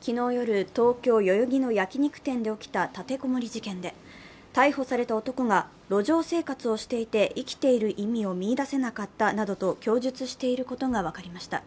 昨日夜、東京・代々木の焼き肉店で起きた立て籠もり事件で逮捕された男が路上生活をしていて生きている意味を見いだせなかったなどと供述していることが分かりました。